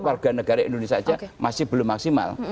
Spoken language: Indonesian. warga negara indonesia saja masih belum maksimal